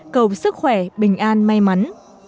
cầu sức khỏe bình an may mắn